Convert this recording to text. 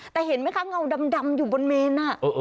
แต่เห็นไหมคะเงาดำอยู่บนเมน